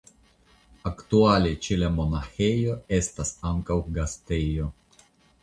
Aktuale ĉe la monaĥejo estas ankaŭ gastejo.